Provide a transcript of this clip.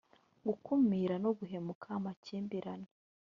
gukumira no gukemura amakimbirane